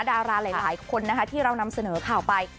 ดาราหลายคนนะคะที่เรานำเสนอข่าวไป